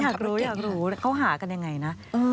อยากรู้อยากรู้เขาหากันยังไงนะ